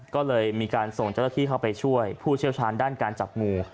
ก็เลยมีการส่งเจ้าหน้าที่เข้าไปช่วยผู้เชี่ยวชาญด้านการจับงู